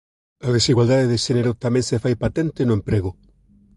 A desigualdade de xénero tamén se fai patente no emprego.